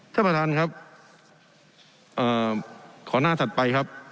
เจ้าประธานครับเอ่อขอหน้าถัดไปครับ